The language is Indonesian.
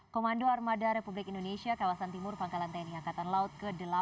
komando armada republik indonesia kawasan timur pangkalan tni angkatan laut ke delapan